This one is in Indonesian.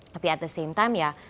tapi at the same time ya